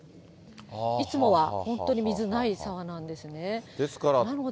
いつもは本当に水がない沢なんですね。